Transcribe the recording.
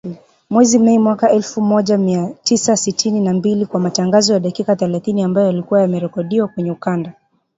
Mwezi Mei mwaka elfu moja mia tisa sitini na mbili kwa matangazo ya dakika thelathini ambayo yalikuwa yamerekodiwa kwenye ukanda